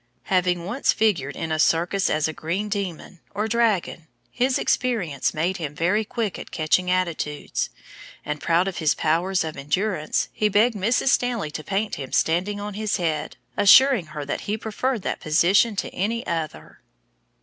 Having once figured in a circus as a green demon, or dragon, his experience made him very quick at catching attitudes; and, proud of his powers of endurance, he begged Mrs. Stanley to paint him standing on his head, assuring her that he preferred that position to any other!